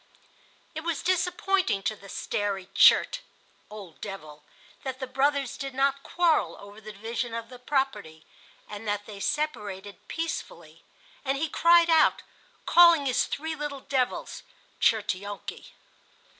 It was disappointing to the Stary Tchert (Old Devil) that the brothers did not quarrel over the division of the property, and that they separated peacefully; and he cried out, calling his three small devils (Tchertionki).